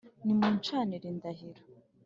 nimuncanire indaro